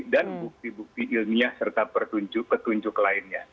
dan bukti bukti ilmiah serta petunjuk lainnya